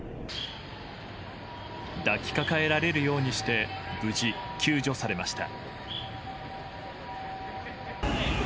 抱きかかえられるようにして無事、救助されました。